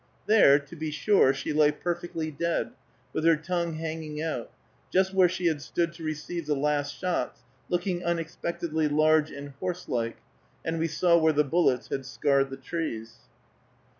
There, to be sure, she lay perfectly dead, with her tongue hanging out, just where she had stood to receive the last shots, looking unexpectedly large and horse like, and we saw where the bullets had scarred the trees.